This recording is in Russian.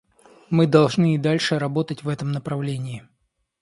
Мы должны и дальше работать в этом направлении.